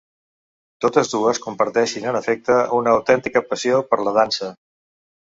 Totes dues comparteixin en efecte una autèntica passió per la dansa.